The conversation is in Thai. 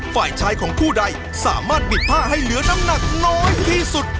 ฝ่ายชายของผู้ใดสามารถบิดผ้าให้เหลือน้ำหนักน้อยที่สุด